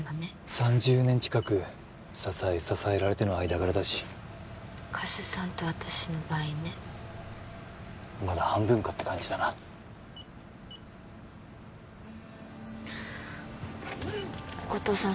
３０年近く支え支えられての間柄だし加瀬さんと私の倍ねまだ半分かって感じだな後藤さん